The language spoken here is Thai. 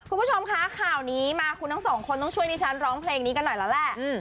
คุณผู้ชมคะข่าวนี้มาคุณทั้งสองคนต้องช่วยดิฉันร้องเพลงนี้กันหน่อยแล้วแหละ